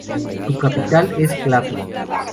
Su capital es Kladno.